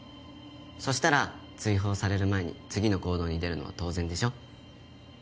そしたら追放される前に次の行動に出るのは当然でしょ。